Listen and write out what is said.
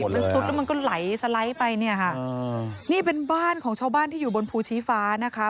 มันซุดแล้วมันก็ไหลสไลด์ไปเนี่ยค่ะนี่เป็นบ้านของชาวบ้านที่อยู่บนภูชีฟ้านะคะ